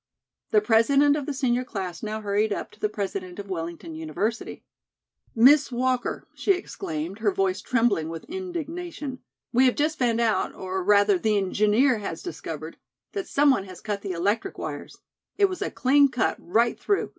The President of the senior class now hurried up to the President of Wellington University. "Miss Walker," she exclaimed, her voice trembling with indignation, "we have just found out, or, rather, the engineer has discovered, that some one has cut the electric wires. It was a clean cut, right through.